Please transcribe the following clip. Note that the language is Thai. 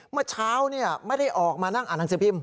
เมื่อเช้าไม่ได้ออกมานั่งอ่านหนังสือพิมพ